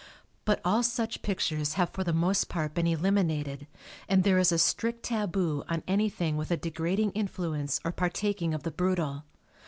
But all such pictures have for the most part been eliminated and there is a strict taboo on anything with a degrading influence or partaking of the brutal.